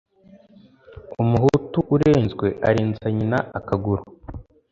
umuhutu urenzwe arenza nyina akaguru